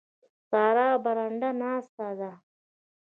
سارا برنده ناسته ده.